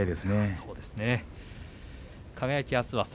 そうですね。